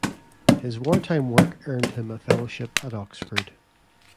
His war time work earned him a fellowship at Oxford.